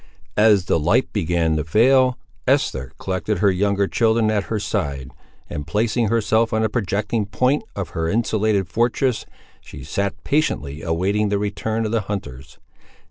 As the light began to fail, Esther collected her younger children at her side, and placing herself on a projecting point of her insulated fortress, she sat patiently awaiting the return of the hunters.